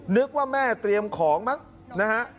นึกว่าแม่เตรียมของมั้งนะฮะ